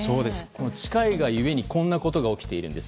近いがゆえにこんなことが起きているんです。